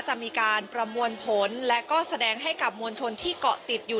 จะมีการประมวลผลและก็แสดงให้กับมวลชนที่เกาะติดอยู่